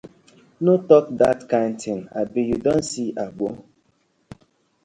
No tok dat kind tin, abi yu don see Agbor?